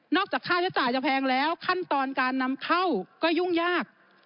จากค่าใช้จ่ายจะแพงแล้วขั้นตอนการนำเข้าก็ยุ่งยาก